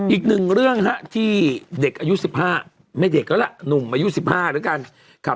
อีกหนึ่งเรื่องที่เด็กอายุ๑๕ไม่เด็กแล้วล่ะหนุ่มอายุ๑๕แล้วกัน